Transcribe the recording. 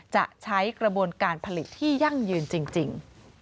จะใช้กระบวนการผลิตที่ยั่งยืนจริง